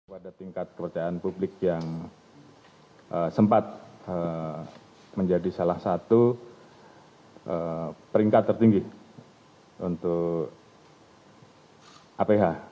pada tingkat kepercayaan publik yang sempat menjadi salah satu peringkat tertinggi untuk aph